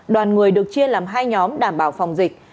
đoàn người được chia làm hai nhóm đảm bảo phòng dịch